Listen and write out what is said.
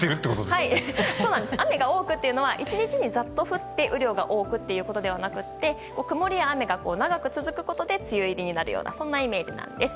雨が多くというのは１日にザッと降って雨量が多くということではなく曇りや雨が長く続くことで梅雨入りになるようなイメージです。